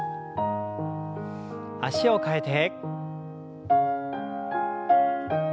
脚を替えて。